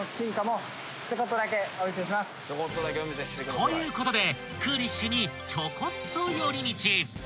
ということでクーリッシュにチョコっと寄り道］